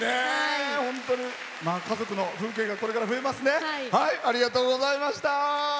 家族の風景がこれから増えますね。